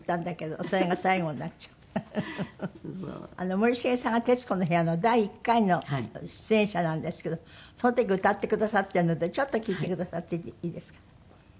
森繁さんが『徹子の部屋』の第１回の出演者なんですけどその時歌ってくださっているのでちょっと聴いてくださっていいですか？